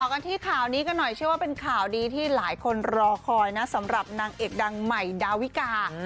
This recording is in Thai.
กันที่ข่าวนี้กันหน่อยเชื่อว่าเป็นข่าวดีที่หลายคนรอคอยนะสำหรับนางเอกดังใหม่ดาวิกา